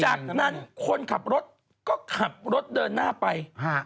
จากนั้นคนขับรถก็ขับรถเดินหน้าไป